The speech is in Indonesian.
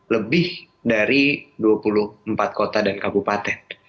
lebih dari dua puluh empat kota dan kabupaten